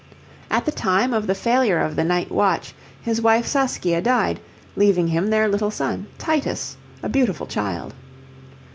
At the time of the failure of the 'Night Watch,' his wife Saskia died, leaving him their little son, Titus, a beautiful child.